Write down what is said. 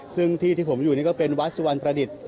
ซึ่งที่ผมอยู่ก็เป็นวัดสอวัลประดิษฐ์